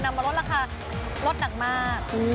นำมารถราคารถหนักมาก